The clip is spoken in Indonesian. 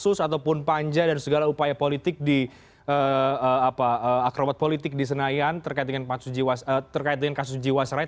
bukan hanya untuk pansus ataupun panjang dan segala upaya politik di akrobat politik di senayan terkait dengan kasus jiwaserai